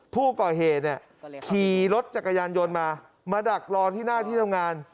ผู้ก่อเหตุเนี่ยขี่รถจักรยานยนต์มามาดักรอที่หน้าที่ทำงาน